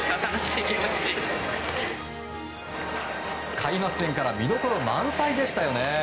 開幕戦から見どころ満載でしたよね。